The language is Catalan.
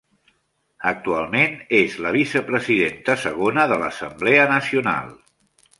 Actualment és la vicepresidenta segona de l'Assemblea Nacional.